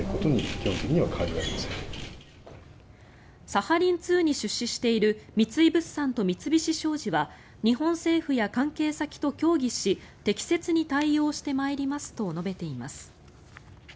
サハリン２に出資している三井物産と三菱商事は日本政府や関係先と協議し適切に対応してまいりますと述べています。